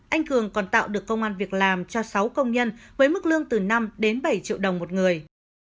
anh cường còn tạo được công an việc làm cho sáu công nhân với mức lương từ năm đến bảy triệu đồng một người